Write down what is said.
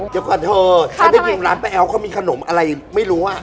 เดี๋ยวก่อนเธอถ้าได้กินร้านป้าแอ๋วเขามีขนมอะไรไม่รู้อ่ะ